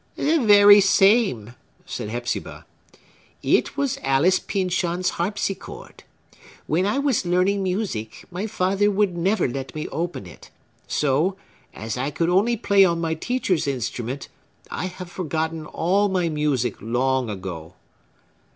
"The very same," said Hepzibah. "It was Alice Pyncheon's harpsichord. When I was learning music, my father would never let me open it. So, as I could only play on my teacher's instrument, I have forgotten all my music long ago."